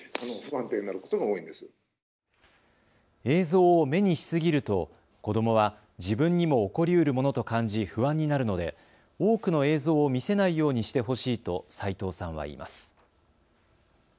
映像を目にしすぎると子どもは自分にも起こりうるものと感じ不安になるので多くの映像を見せないようにしてほしいと齋藤さんはいいます。